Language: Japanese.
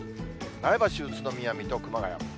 前橋、宇都宮、水戸、熊谷。